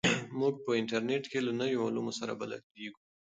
موږ په انټرنیټ کې له نویو علومو سره بلدېږو.